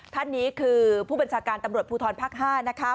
ท่านนี้คือผู้บัญชาการตำรวจภูทรภาค๕